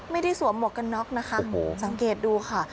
ไม่ได้สวมหมวกกันนอกนะคะโอ้โหสังเกตดูค่ะ